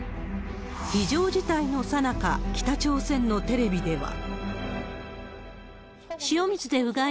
非常事態のさなか、北朝鮮のテレビでは。